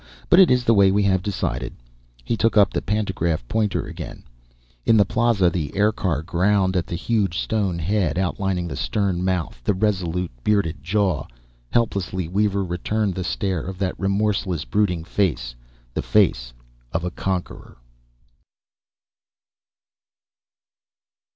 But it is the way we have decided." He took up the pantograph pointer again. In the plaza, the aircar ground at the huge stone head, outlining the stern mouth, the resolute, bearded jaw. Helplessly, Weaver returned the stare of that remorseless, brooding face: the face of a conqueror.